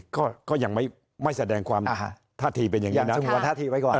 ก็ก็ยังไม่ไม่แสดงความอ่าฮะท่าทีเป็นอย่างนี้นะอย่างสงวนท่าทีไว้ก่อน